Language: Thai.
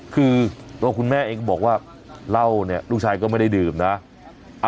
คือตัวคุณแม่เองก็บอกว่าเหล้าเนี่ยลูกชายก็ไม่ได้ดื่มนะ